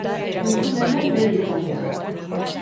Entzun hemen bere hitzaldia.